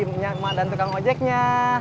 menyakma dan tukang ngojeknya